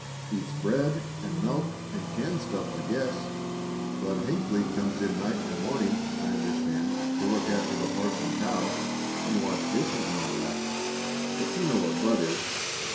"Eats bread and milk and canned stuff, I guess. Bud Hinckley comes in night and morning, I understand, to look after the horse and cow and wash dishes and all that, but you know what Bud is."